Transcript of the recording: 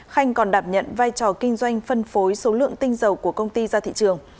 khanh còn đạp nhận vai trò kinh doanh phân phối số lượng tinh dầu của công ty ra thị trường